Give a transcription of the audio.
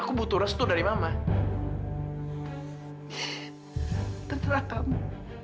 aku mau peduli sama kamu